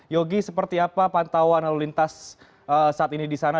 yogi seperti apa pantauan lalu lintas saat ini di sana